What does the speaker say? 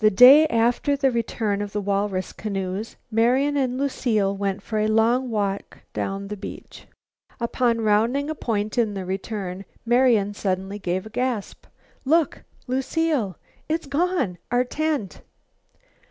The day after the return of the walrus canoes Marian and Lucile went for a long walk down the beach. Upon rounding a point in returning Marian suddenly gave a gasp. "Look, Lucile! It's gone our tent!"